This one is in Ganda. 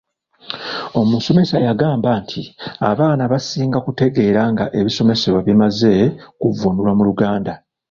Omusomesa yagamba nti abaana basinga kutegeera nga ebisomesebwa bimaze kuvvuunulwa mu Luganda.